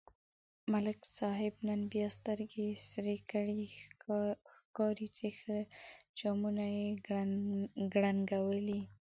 ملک صاحب نن بیا سترگې سرې کړي، ښکاري چې ښه جامونه یې کړنگولي.